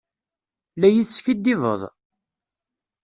La yi-teskiddibeḍ?